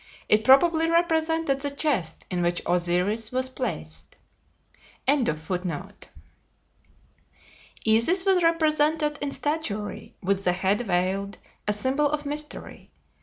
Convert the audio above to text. It probably represented the chest in which Osiris was placed.] Isis was represented in statuary with the head veiled, a symbol of mystery.